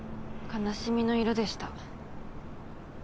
悲しみの色でした。